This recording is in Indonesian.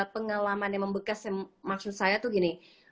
pengalaman yang membekas maksud saya tuh gini